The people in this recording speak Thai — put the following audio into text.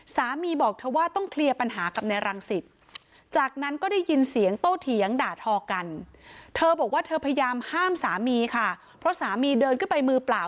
เธอบอกว่าเธอพยายามห้ามสามีค่ะเพราะสามีเดินขึ้นไปมือเปล่า